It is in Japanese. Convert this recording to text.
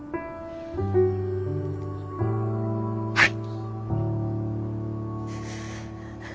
はい。